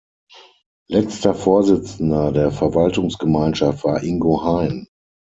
Letzter Vorsitzender der Verwaltungsgemeinschaft war Ingo Hein.